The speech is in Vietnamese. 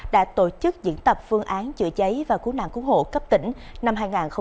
đã tổ chức diễn tập phương án chữa cháy và cú nạn cú hộ cấp tỉnh năm hai nghìn hai mươi ba